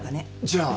じゃあ。